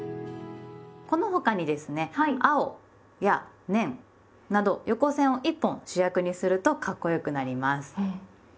この他にですね「青」や「年」など横線を１本主役にするとかっこよくなります。